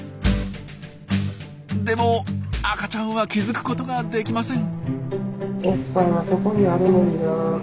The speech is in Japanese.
でも赤ちゃんは気づくことができません。